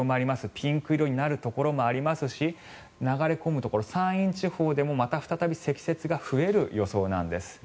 ピンク色になるところもありますし流れ込むところ、山陰地方でもまた再び積雪が増える予想なんです。